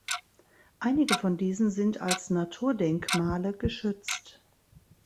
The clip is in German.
Einige von diesen sind als Naturdenkmale geschützt.